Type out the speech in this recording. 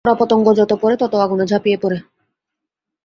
পোড়া পতঙ্গ যত পোড়ে তত আগুনে ঝাঁপিয়ে পড়ে।